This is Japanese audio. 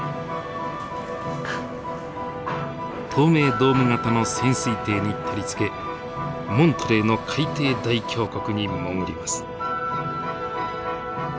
透明ドーム型の潜水艇に取り付けモントレーの海底大峡谷に潜ります。